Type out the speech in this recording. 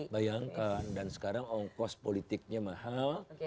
bayangkan dan sekarang ongkos politiknya mahal